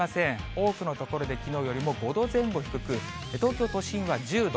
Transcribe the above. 多くの所できのうよりも５度前後低く、東京都心は１０度。